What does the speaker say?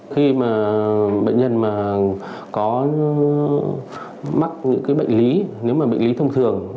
khi mà bệnh nhân mà có mắc những cái bệnh lý nếu mà bệnh lý thông thường